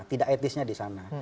tidak etisnya di sana